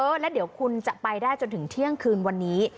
แล้วเดี๋ยวคุณจะไปได้จนถึงเที่ยงคืนวันนี้